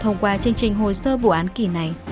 thông qua chương trình hồi sơ vụ án kỷ này